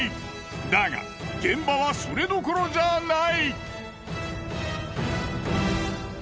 だが現場はそれどころじゃない。